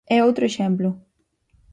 E outro exemplo.